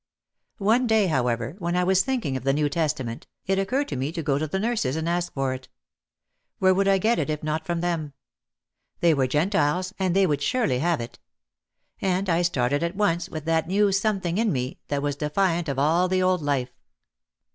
One day, however, when I was thinking of the New Testament, it occurred to me to go to the nurses and ask for it. Where would I get it if not from them? They were Gentiles and they would surely have it. And I started at once with that new something in me that was defiant of all the old life.